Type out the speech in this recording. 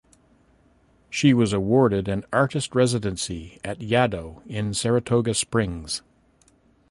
She was awarded an Artist Residency at Yaddo in Saratoga Springs.